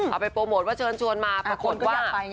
เอาไปโปรโมทว่าเชิญชวนมาปรากฏว่า